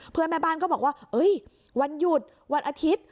แม่บ้านก็บอกว่าวันหยุดวันอาทิตย์